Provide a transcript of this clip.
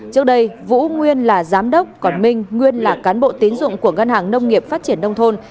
trước đây vũ nguyên là giám đốc còn minh nguyên là cán bộ tín dụng của ngân hàng nông nghiệp phát triển nông thôn